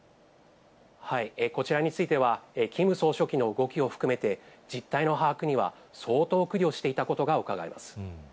こちらについては、キム総書記の動きを含めて、実態の把握には相当苦慮していたことがうかがえます。